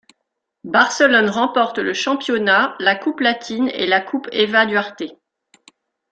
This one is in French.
Barcelone remporte le championnat, la Coupe latine et la Coupe Eva Duarte.